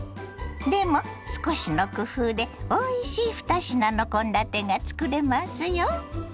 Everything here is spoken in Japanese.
でも少しの工夫でおいしい２品の献立がつくれますよ。